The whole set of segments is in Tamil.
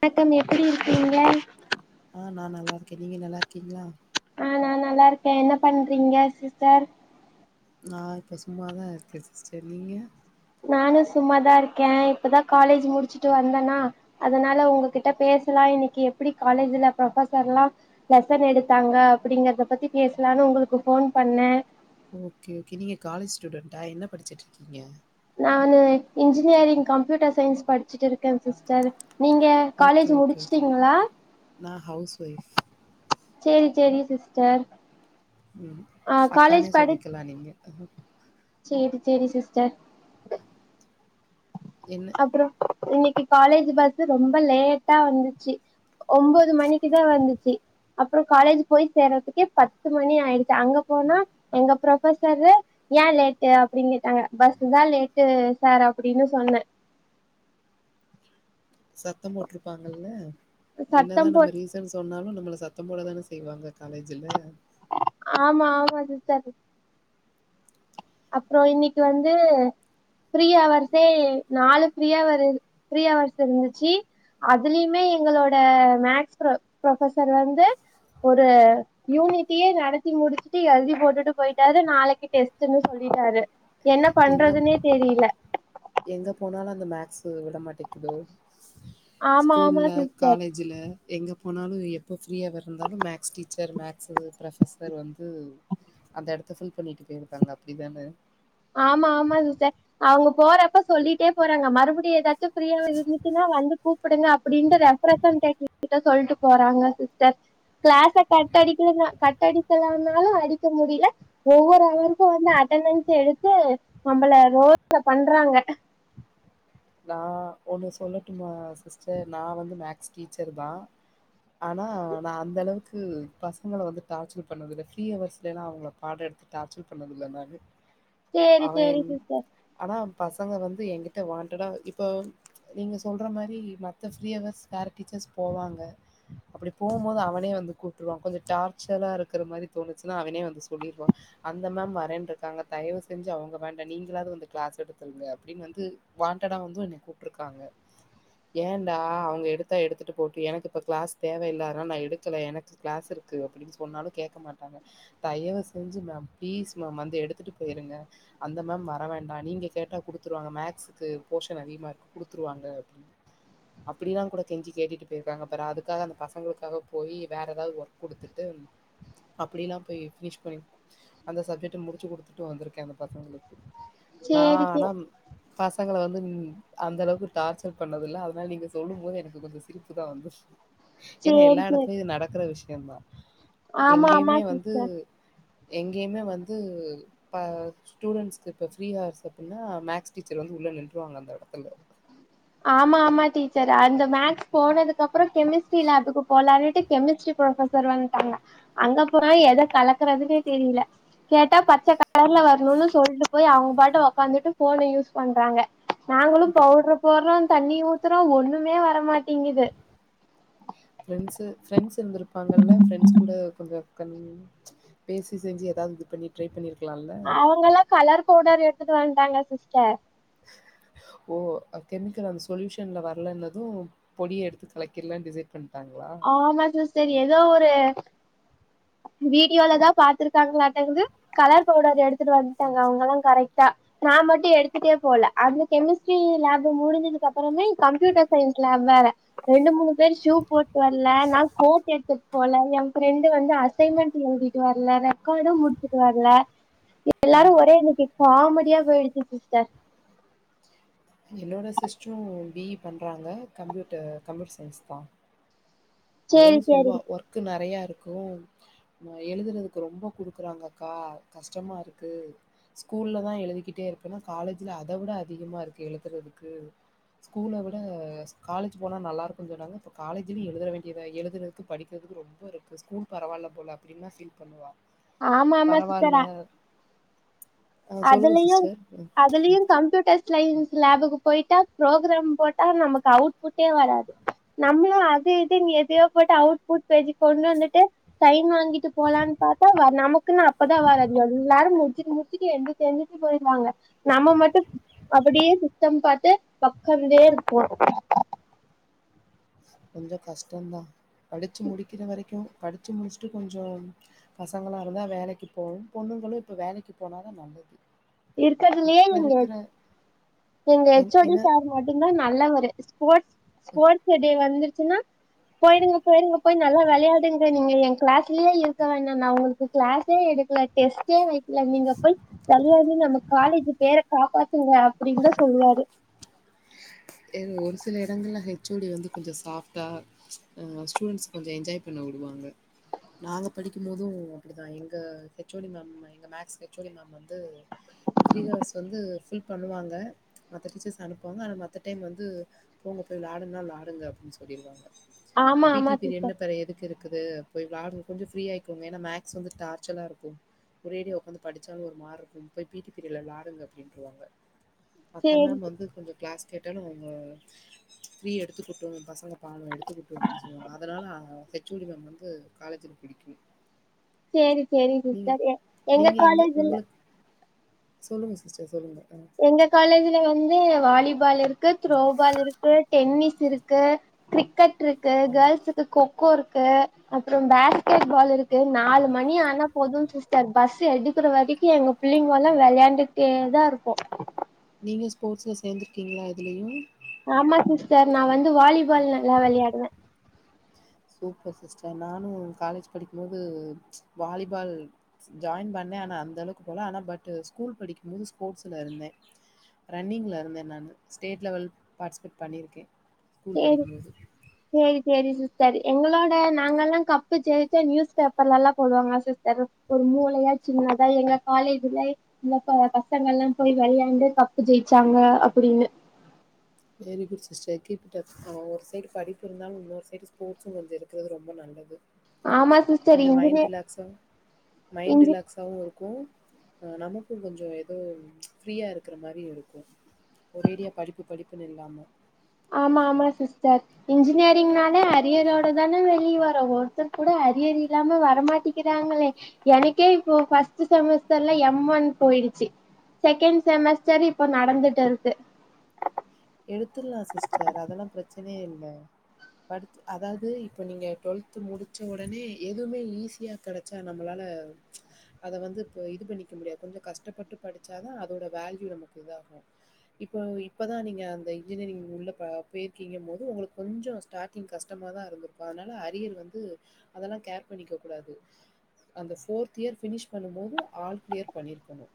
வணக்கம் எப்புடி இருக்கீங்க ஆ நான் நல்லா நீங்க நல்லா இருக்கீங்களா ஆ நா நல்லா இருக்கே என்ன பண்றீங்க சிஸ்டர் நா இப்ப சும்மாதா இருக்கே சிஸ்டர் நீங்க நானு சும்மாதா இருக்கே இப்பதா காலேஜ் முடிச்சுட்டு வந்தனா அதனால உங்ககிட்ட பேசலா இன்னைக்கு எப்டி காலேஜ்ல ப்ரொஃபசர்ல்லா லெசன் எடுத்தாங்க அப்டிங்கறத பத்தி பேசலான்னு உங்களுக்கு ஃபோன் பண்ண ஓகே ஓகே நீங்க காலேஜ் ஸ்டூடண்டா என்ன படிச்சிட்டு இருக்கீங்க நான்னு இன்ஜினியரிங் கம்ப்யூட்டர் சையின்ஸ் படிச்சுட்டு இருக்கே சிஸ்டர் நீங்க ஓகே, காலேஜ் ஓகே, ஓகே. முடிச்சுட்டிங்களா நான் ஹவுஸ் ஒய்ஃப். சேரி சேரி சிஸ்டர் ம் ஆ அக்கானே காலேஜ் படி சொல்லிக்கலா நீங்க அ சேரி சேரி சிஸ்டர் என்ன அப்ரோ இன்னைக்கு காலேஜ் பஸ்சு ரொம்ப லேட்டா வந்துச்சு ஒம்போது மணிக்குதா வந்துச்சு அப்றோ காலேஜ் போய் சேரதுக்கே பத்து மணி ஆயிடுச்சு அங்க போனா எங்க ப்ரொபசரு ஏன் லேட்டு அப்டின்னு கேட்டாங்க பஸ்சு தா லேட்டு சார் அப்டின்னு சொன்ன சத்தம் போட்ருப்பாங்கல்ல என்னதா சத்தம் நம்ம போட் ரீசன் சொன்னாலு நம் ங்கள சத்தம் போட தான செய்வாங்க காலேஜ்ல. ஆமா ஆமா சிஸ் ஸ்டரு அப்றோ இன்னிக்கு வந்து ஃப்ரீ அவர்ஸே நாலு ஃப்ரியவர் ஃப்ரீ அவர்ஸ் இருந்துச்சு அதுலயுமே எங்களோட மேக்ஸ் ப்ரொபசர் வந்து ஒரு யூனிட்டியே நடத்தி முடிச்சுட்டு எழுதி போட்டுட்டு போயிட்டாரு நாளைக்கு டெஸ் ட்டுனு சொல்லிட்டாரு என்ன எங்க பண்றதுன்னே தெரில வந்து விடமாட்டேக்குது ஆமா ஆமா ஸ்கூல்ல சிஸ்டர் காலேஜூல எங்க போனாலு எப்போ ஃப்ரீயாவே இருந்தாலு மேக்ஸ் டீச்சர் மேக்ஸ் ப்ரொபஸர் வந்து அந்த இடத்த ஃபில் பண்ணிட்டு போயிருக்காங்க அப்டி தானே ஆமா ஆமா சிஸ்டர் அவுங்க போறப்ப சொல்லிட்டே போறாங்க மறுபடியு ஏதாச்சு ஃப்ரியவர் இருந்துச்சுனா வந்து கூப்புடுங்க அப்டின்ட்டு ரெஃப்ரசெண்டேடிவ் கிட்ட சொல்ட்டு போறாங்க சிஸ்டர் கிளாச கட் அடிக்குன்ன அடிக்கலானாலு கட் அடிக்க முடில ஒவ்வொரு அவருக்கோ வந்து அட்டனன்ஸ எடுத் து நம்மள ரோச பண்றாங்க ஆ ஒண்ணு சொல்லட்டுமா சிஸ்டர் நா வந்து மேக்ஸ் டீச்சர் தா ஆனா நா அந்த அளவுக்கு பசங்கள வந்து டார்ச்சல் பண்ணது இல்ல ஃப்ரீ ஹவர்ஸ்ல எல்லா அவங்கள பாட எடுத்து டார்ச்சல் பண்ணதுல நானு சேரி அவே சேரி சிஸ்டர் பசங்க வந்து எங்கிட்ட வான் ண்டடா இப்போ நீங்க சொல்ற மாரி மத்த ஃப்ரீ அவர்ஸ் வேற டீச்சர்ஸ் போவாங்க அப்டி போம்போது அவனே வந்து கூட்ருவா கொஞ்ச டார்ச்சரா இருக்கற மாரி தோணுச்சுனா அவனே வந்து சொல்லிருவா அந்த மேம் வரேன்ருக்காங்க தயவு செஞ்சு அவங்க வேண்டா நீங்களாவது வந்து கிளாஸ் எடுத்துருங்க அப்டின்னு வந்து வாண்டடா வந்து என்ன கூப்ட்டுருக்காங்க ஏன்டா அவுங்க எடுத்தா எடுத்துட்டு போட்டு எனக்கு இப்ப கிளாஸ் தேவயில்ல அனால் நா எடுக்கல எனக்கு கிளாஸ் இருக்கு அப்டின் சொன்னாலு கேக்க மாட்டாங்க தயவ செஞ்சு மேம் பிளீஸ் மேம் வந்து எடுத்துட்டு போயிருங்க அந்த மேம் வர வேண்டா நீங்க கேட்டா குடுத்துருவாங்க மேக்ஸ் க்கு போர்ஷன் அதிகமா இருக்கு குடுத்துருவாங்க அப்டின் அப்டில்லா கூட கெஞ்சி கேட்டுட்டு போயிருக்காங்க பார் அதுக்காக அந்த பசங்களுக்காக போயி வேற எதாது ஒர்க் குடுத்துட்டு அப்டிலா போய் ஃபினிஷ் பண்ணி அந்த சப்ஜெக்ட்ட முடுச்சு குடுத்துட்டு வந்துருக்கே அந்த பசங்களுக்கு நா சேரி சேரி ஆனம் பசங்கள வந்து அந்த அளவுக்கு டார்ச்சர் பண்ணதில்ல அதுனால நீங்க சொல்லும் போது எனக்கு கொஞ்சொ சிரிப்பு தா வந்து ஏனா சேரி எல்லா சேரி எடத்துலயு இது நடக்குற விஷ் யந்தா ஆமா ஆமா சிஸ்டர் எங்கெயுமே வந்து ப ஸ்டூடெண்ட்ஸ்க்கு இப்ப ஃப்ரீ ஹாஸ் அப்பின்னா மேக்ஸ் டீச்சர் வந்து உள்ள நின்றுவாங்க அந்த எடத்துல ஆமா ஆமா டீச்சர் அந்த மேக்ஸ் போனதுக்கப்றோ கெமிஸ்ட்ரி லேபுக்கு போலான்ட்டு கெமிஸ்ட்ரி ப்ரொஃபசர் வந்துட்டாங்க அங்க போயி எத கலக்குறதுனே தெரில கேட்டா பச்ச கலர்ல வர்ணுனு சொல்ட்டு போய் அவுங்க பாட்டு ஒக்காந்துட்டு ஃபோன யூஸ் பண்றாங்க நாங்களு பவுட்ர போர்றோ தண்ணி ஊத்துறோ ஒன்னுமே வர மா ஃப்ரெண்ட்ஸு ஃப்ரெண்ட்ஸ் இருந்துருப்பாங்கல்ல ஃப்ரெண்ட்ஸ் கூட கொஞ்ச கன் பேசி செஞ்சு எதாவ்து இது பண்ணி ட்ரை பண்ணிரு அவுங்கல்லா கலர் பவ்டர் எடுத்துட்டு வன்ட்டாங்க சிஸ்டர் ஓ அ கெமிக்கல் அந்த சொல்யூஷன்ல வர்லன்னது பொடிய எடுத்து கலக்கிர்லான் டிசைட் பண் ஆமா சிஸ் டர் எதோ ஒரு வீடியோல தா பாத்ருக்காங்ளாட்டக்குது கலர் பவுடர் எடுத்துட்டு வன்ட்டாங்க அவுங்கல்லா கரெக்ட்டா நா மட்டு எடுத்துட்டே போல அந்த கெமிஸ்ட்ரி லேபு முடுஞ்சதுக்கப்பறமே கம்ப்யூட்டர் சயின்ஸ் லேப் வேற ரெண்டு மூணு பேர் ஷூ போட்டு வர்ல நா கோட் எடுத்துட் போல எ ஃப்ரெண்டு வந்து அ சைன்மெண்ட் எழுதிட்டு வர்ல ரெக்கார்டு முடுச்சுட்டு வர்ல எல்லாரு ஒரே இன்னக்கி காமெடியா போயிடுச்சு சிஸ்டர் என்னோட சிஸ்ட்ரு பி இ பண்றாங்க கம்ப்யூட்ட கம்ப்யூட்டர் சயின்ஸ் தா சேரி அவளு சேரி சொல்வா ஒர்க்கு நெறைய இ ருக்கு அ எழுதுறதுக்கு ரொம்ப குடுக்குறாங்கக்கா கஷ்டமா இருக்கு ஸ்கூல்ல தா எழுதிக்கிட்டே இருப்பென்னா காலேஜ்ல அத விட அதிகமா இருக்கு எழுதுறதுக்கு ஸ்கூல விட காலேஜ் போனா நல்லாருக்கு சொன்னாங்க இப்ப காலேஜுலயு எழுதுற வேண் டியத எழுதுறதுக்கு படிக்கிறதுக்கு ரொம்ப இருக்கு ஸ்கூல் பரவால்ல போல அப்டின்ல்லா ஃபீல் பண்ணுவா ஆமாமா சிஸ்டர் பரவால்ல அ அ சொல்லுங்க அதுலயு சிஸ்டர். ம் அதுலயு கம்ப்யூட்டர் ஸ்லைஸ் லேபுக்கு போயிட்டா ப்ரோக்ராம் போட்டா நமக்கு அவுட்புட்டே வராது நம்மளு அது இதுன் எதயோ போட்டு அவுட்புட் பேஜுக் கொண்டு வந்துட்டு சைன் வாங்கிட்டு போலான் பாத்தா வர் நமக் குன் அப்பதா வராது எல்லாரு மு ட்ச்சிட்டு மு ச்சிட்டு எந்திர்ச்சு எந்திர்ச்சு போயிடுவாங்க நம்ம மட்டு அப்புடியே சிஸ்டம் பாத்து ஒக்காந்துடே இருப்போ கொஞ்ச கஷ்டந்தா படுச்சு முடிக்கிற வரைக்கு படுச்சு முடுச்சுட்டு கொஞ்சொ பசங்களா இருந்தா வேலைக்கு போவு பொண்ணுங்களு இப்ப வேலைக்கு போனாதா நல்லது இருக்கதுலெயே இப்ப எங்க இருக்கிற எங்க என் எச் ஓ டி என்ன சார் மட்டுந்தா நல்லவரு ஸ்போர்ட்ஸ் ஸ்போர்ட்ஸ டே வந்து ச்சின்னா போயிடுங்க போயிடுங்க போய் நல்லா வெளையாடுங்க நீங்க ஏன் கிளாஸ்லயே இருக்கவேணா நா உங்களுக்கு கிளாஸே எடுக்கல டெஸ்டே வை க்கல நீங்க போய் வெளையா டுங்க நம்ம காலேஜு பேர காப்பாத்துங்க அப்டின்னுதா சொல்லுவாரு. இது ஒரு சில எடங்கள்ல ஹெச் ஓ டி வந்து கொஞ்ச சாஃப்டா ஆ ஸ்டூடெண்ட்ஸ் கொஞ்ச என்ஜாய் பண்ண விடுவாங்க. நாங்க படிக்கும்போது அப்படிதா எங்க ஹெச் ஓ டி மேம் எங்க maths H O D ma'am வந்து ஃப்ரீ ஹவர்ஸ் வந்து ஃபில் பண்ணுவாங்க மத்த டீச்சர்ஸ அனுப்புவாங்க ஆனா மத் த டைம் வந்து போங்க போய் விளாடுங்க விளாடுங்க அப்டின்னு சொல்லிருவாங்க. ஆமா பி ஆமா டி பீரியட்னு சிஸ்டர் அப்புற எதுக்கு இருக்குது போய் விளாடுங்க கொஞ்ச ஃப்ரீ ஆயிக்கோங்க ஏன்னா மேக்ஸ் வந்து டார்ச்சரா இருக்கும் ஒரேடியா உக்காந்து படிச்சாலு ஒரு மாரி இருக்கும் போய் பி டி பீரியட்ல விளாடுங்க அப்டின்ட்ருவாங்க. மத்த சேரி மேம் வந்து கொஞ்ச கிளாஸ் கேட்டாலு அவுங்க ஃப்ரீ எடுத்துக்குட்டு பசங்க பாவோ எடுத்துக்குட்டு அப்டின்னு சொல்லுவாங்க. அதனால ஆ ஹெச் ஓ டி மேம் வந்து காலேஜுல பிடிக்கு சேரி சேரி நீங்க சிஸ்டர் எ எங்க நீங்க காலேஜில உங்களுக்கு சொல்லுங்க சிஸ்டர் சொல்லுங்க. அ எங்க காலேஜுல வந் து வாலிபால் இருக்கு த்ரோபால் இருக்கு டென்னிஸ் இருக்கு க்ரிக்கெட் இருக்கு கேள்ஸுக்கு கொக்கோ இருக்கு அப்றோ பேஸ்கெட் பால் இருக்கு நாலு மணி ஆனா போது சிஸ்டர் பஸ்ஸு எடுக்கிற வரைக்கி எங்க பிள்ளைங்க எல்லா வெளையாண்டுக்டேதா இரு க்கு நீங்க ஸ்போர்ட்ஸ்ல சேந்திருக்கீங்களா எதுலயு? ஆமா சிஸ்டர் நா வந்து வாலிபால் நல்லா வெளையாடுவே சூப்பர் சிஸ்டர் நானு காலேஜ் படிக்கும் போது வாலிபால் ஜாய்ன் பண்ணே ஆனா அந்த அளவுக்கு போல ஆனா பட்டு் ஸ்கூல் படிக்கும் போது ஸ்போர்ட்ஸ்ல இருந்தே ரன்னிங்ல இருந்தே நானு ஸ்டேட் லெவல் பார்ட்டிசிபேட் பண்ணியிருக்கே ஸ்கூல் சேரி படிக்கும்போது சேரி சேரி சிஸ் சரி எங்களோட நாங்கல்லா கப்பு ஜெயிச்சா நியூஸ் பேப்பர்ல எல்லா போடுவாங்க சிஸ்டர் ஒரு மூலைல சின்னதா எங்க காலேஜுலை இந்த ப பசங்கல்லா எல்லா போய் வெளயாண்டு கப்பு ஜெயிச்சாங்க அப்படின்னு. Very good sister keep it up ஆ ஒரு சைடு படிப்பு இருந்தாலு இன்னொரு சைடு ஸ்போர்ட்ஸுங் கொஞ்சோ இருக்கிறது ரொம்ப நல்லது. ஆமா சிஸ்டர் கொஞ்ச மைண்ட் இன்ஜினியர் ரிலாக்ஸா மைண்ட் இன்ஜி ரிலாக்ஸாவு இரு க்கு ஆ நமக்குங் கொஞ்சோ எதோ ஃப்ரீயா இருக்குற மாரி இருக்கு ஒரேடியா படிப்பு படிப் புனு இல்லாம ஆமா ஆமா சிஸ்டர் இன்ஜினியரிங்னாலே அரியரோடதான வெளிய வரோ ஒருத்தர் கூட அரியர் இல்லாம வரமாட்டிங்கிறாங்களே எனக்கே இப்போ ஃபஸ்ட் செமஸ்டர்ல எம் ஒன் போயிடுச்சு செகண்ட் செமஸ்டர் இப்ப நடந்துட்டு இருக்கு எடுத்துர்லா சிஸ்டர் அதெல்லா பிரச்சனையே இல் ல படிச் அதாவது இப்போ நீங்க டுவெல்த் முடிச்ச உடனே எதுவுமே ஈஸியா கெடைச்சா நம்மளால அத வந்து இப்ப இது பண்ணிக்க முடியாது கொஞ்ச கஷ்டப்பட்டு படிச்சாதா அதோட வேல்யூ நமக்கு இதாகு இப்போ இப்பதா நீங்க அந்த இன்ஜினியரிங் உள்ள பா போயிருக்கீங்கங்கும்போது உங்களுக்கு கொஞ்சோ ஸ்டார்ட்டிங் கஷ்டமாதா இருந்துருக்கு அதனால அரியர் வந்து அதெல்லா கேர் பண்ணிக்க கூடாது அந்த ஃபோர்த் இயர் ஃபினிஷ் பண்ணும் போது ஆல் கிளியர் பண்ணிருக்கணு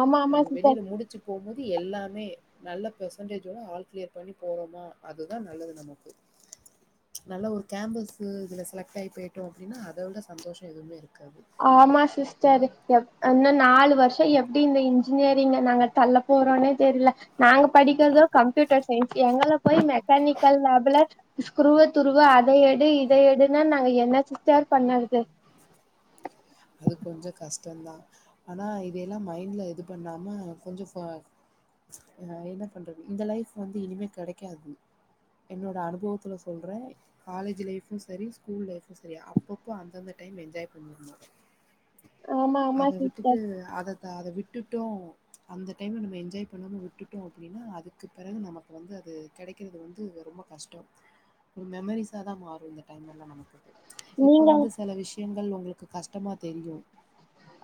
ஆமா ஆமா நம்ம சிஸ்டர் வெளில முடிச்சு போம்போது எல்லாமே நல்ல பெர் சன்டேஜோட ஆல் கிளியர் பண்ணி போறோமா அதுதா நல்லது நமக்கு. நல்ல ஒரு கேம்பஸு இதுல செலக்ட் ஆயி போயிட்டோ அப்டின்னா அத விட சந்தோஷோ எதுமே இருக்காது. ஆமா சிஸ்டர் எ இன்னு நாலு வர்ஷோ எப்டி இந்த இன்ஜினியரிங்க நாங்க தள்ள போறோன்னே தெரில நாங்க படிக்கிறதோ கம்ப்யூட்டர் சயின்ஸ் எங்கள போய் மெக்கானிக்கல் லேபுல குருவ துருவு அத எடு இத எடுன்னா நாங்க என்ன சிஸ்டர் பண்ணறது அது கொஞ்சோ கஷ்டந்தா ஆனா இதயல்லா மைண்ட்ல இது பண்ணாம கொஞ்சோ ஃப ஆ என்ன பண்றது இந்த லைஃப் வந்து இனிமே கெடைக்காது. என்னோட அனுபவத்துல சொல்றே காலேஜ் லைஃபு சரி ஸ்கூல் லைஃபு சரி அப்பப்போ அந்தந்த டைம் என்ஜாய் பண்ணிருனு. ஆமா ஆமா அத விட்டுட்டு சிஸ்டர் அத அத விட் டுட்டோ அந்த டைம்ல நம்ம என்ஜாய் பண்ணாம விட்டுட்டோ அப்பிடின்னா அதுக்கு பிறகு நமக்கு வந்து அது கெடைக்கிறது வந்து ரொம்ப கஷ்டோ ஒரு மெமரீஸாதா மார் இப்போ நீங்க வந்து சில விஷயங்கள் உங்க ளுக்கு கஷ்டமா தெரியோ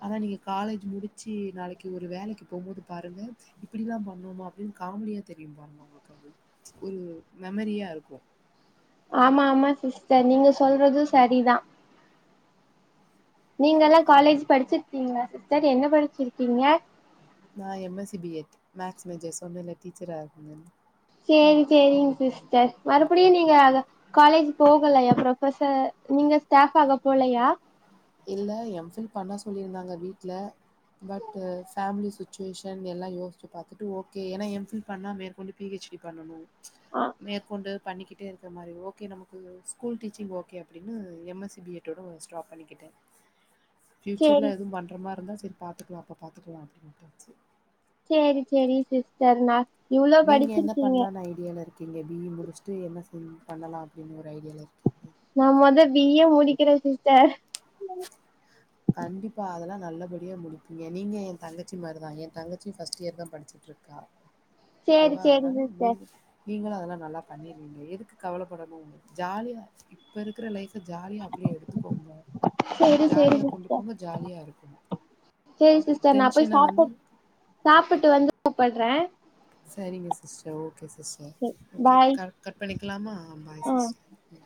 ஆனா நீங்க காலேஜ் முடிச்சு நாளைக்கு ஒரு வேலைக்கு போகும்போது பாருங்க இப்படிலா பண்ணோமா அப்படின்னு காமெடியா தெரியு பாருங்க உங்களுக்கு அது ஒரு மெமரியா இருக்கும் ஆமா ஆமா சிஸ்டர் நீங்க சொல்றது சரிதான் நீங்கல்லா காலேஜ் படிச்சிருக்கீங்களா சிஸ்டர் என்ன படிச்சிருக்கீங்க நான் எம்எஸ்சி பிஎட் மேக்ஸ் மேஜர் சொன்னலே டீச்சரா இருந்தே சரி சரிங்க சிஸ்டர் மறுபடியும் நீங்க காலேஜ் போகலயா ப்ரொபசர் நீங்க ஸ்டாப் ஆக போலயா இல்லை எம்ஃபில் பண்ணா சொல்லியிருந்தாங்க வீட்டில் பட் ஃபேமிலி சுச்சுவேஷன் எல்லாம் யோசிச்சத்து பார்த்துட்டு ஓகே ஏன்னா எம்ஃபில் பண்ணா மேற்கொண்டு பிஹெச்டி பண்ணணும் அ மேற்கொண்டு பண்ணிக்க பட்டேக்க மாரி ஓ நமக்கு ஸ்கூல் டீச்சிங் ஓகே அப்படினு எம்எஸ்சி பியஎட்டோட ஸ்டாப் பண்ணிக்கிட்டேன். பண்ணிக்கிட்டேன் சேரி பியூச்சர்ல எதுவும் பண்ற மாரியிருந்தா சொல் சரி பார்த்துக்கலாம் அப்போ பார்த்துக்கலாம் அப்படின்னு மட்டும் வச்சு சரி சரி சிஸ்டர் நா இவ்ளோ நீங்க என்ன படிச்சிருக்கீங்க பண்ணலாம்னு ஐடியால இருக் பிஇ முடிச்சுட்டு என்ன செ பண்ணலாம் அப்படின்னு ஒரு ஐடியாவ இருக்குங்க நான் முத பீஇய முடிக்கிறேன் சிஸ்டர் கண்டிப்பா அதெல்லாம் நல்லபடியா முடிப்பீங்க நீங்க என் தங்கச்சி மாரிதான் என் தங்கச்சி பஸ்ட் இயர் தான் படிச்சிட்டுருக்கா சேரி ஓகேவா சேரி அதனால சிஸ்டர் நீங் நீங்களும் அதெல்லாம் நல்லா பண்ணிருவீங்க எதுக் கவலைப்பாடதீங்க ஜாலியா இப்ப இருக்கிற லைஃப் ஜாலியா அப்படியே எடுத்துக்கோங்க ஜாலியாப் செரி சிஸ்டர் நான் போய் டென்ஷன சாப்ட் வந்து சாப்பிட்டு வந் கூப்பிர்றேன் செரிங்க சிஸ்டர் ஓகே சிஸ்டர் சேர் ஓகே பாய் கட் பண்ணிக்கலாமா ஆ பாய் சிஸ்டர்